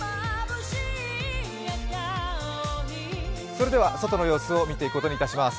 それでは外の様子を見ていくことにいたします。